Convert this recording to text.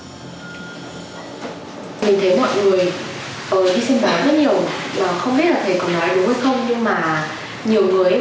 mình thấy mọi người đi xem bói rất nhiều không biết là thầy có nói đúng hay không nhưng mà nhiều người vẫn mê tín và mua những cái chất vòng và những cái món đồ mà người ta bán với giá rất là cao